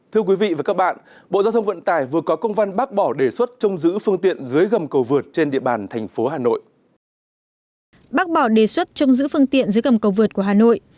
thưa quý vị và các bạn bộ giao thông vận tài vừa có công văn bác bỏ đề xuất trông giữ phương tiện dưới gầm cầu vượt trên địa bàn thành phố hà nội